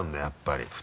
やっぱり。